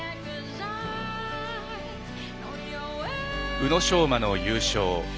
宇野昌磨の優勝。